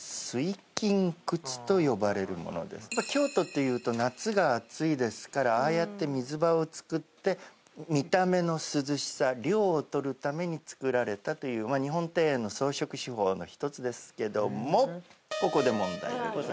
京都というと夏が暑いですからああやって水場を作って見た目の涼しさ涼をとるために作られたという日本庭園の装飾手法の一つですけどもここで。